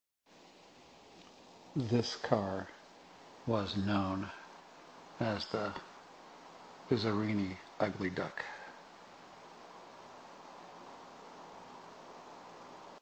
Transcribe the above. This car was known as the "Bizzarrini Ugly Duck".